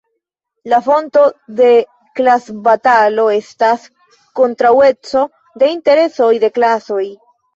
La fonto de klasbatalo estas kontraŭeco de interesoj de klasoj.